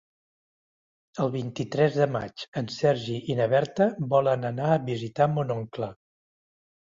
El vint-i-tres de maig en Sergi i na Berta volen anar a visitar mon oncle.